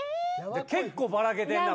結構バラけてんな